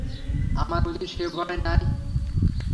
আমার বুঝি সে ভয় নাই?